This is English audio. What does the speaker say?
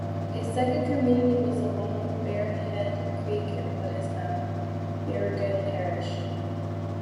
A second community was along Bearhead creek in what is now Beauregard Parish.